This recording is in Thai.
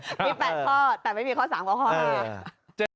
มี๘ข้อแต่ไม่มีข้อสามข้อห้าม